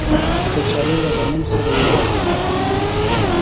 کچالو له غنم سره یو وخت حاصلیږي